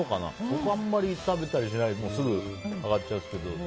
僕はあんまり食べたりしないですぐ上がっちゃうけど。